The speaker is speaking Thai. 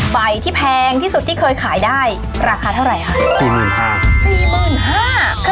ใบที่แพงที่สุดที่เคยขายได้ราคาเท่าไหร่ค่ะ